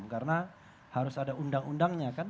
karena harus ada undang undangnya kan